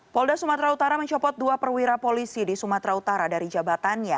polda sumatera utara mencopot dua perwira polisi di sumatera utara dari jabatannya